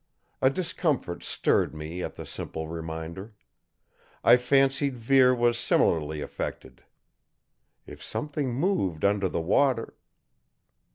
A discomfort stirred me at the simple reminder. I fancied Vere was similarly affected. If something moved under the water